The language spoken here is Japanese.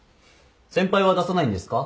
先輩は出さないんですか？